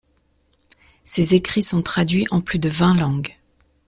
Ses écrits sont traduits en plus de vingt langues.